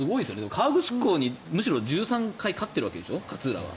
河口湖に１３回勝ってるわけでしょ勝浦は。